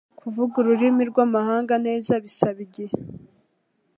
Kuvuga ururimi rwamahanga neza bisaba igihe.